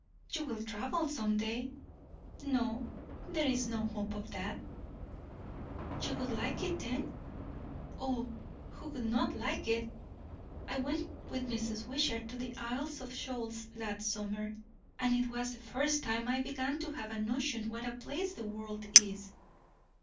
"You will travel some day." "No, there is no hope of that." "You would like it, then?" "O, who would not like it! I went with Mrs. Wishart to the Isles of Shoals last summer; and it was the first time I began to have a notion what a place the world is."